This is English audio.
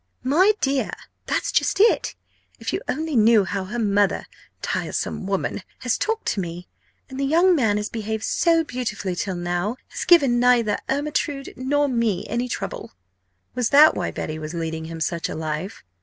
"My dear! that's just it! If you only knew how her mother tiresome woman has talked to me! And the young man has behaved so beautifully till now has given neither Ermyntrude nor me any trouble." Was that why Betty was leading him such a life?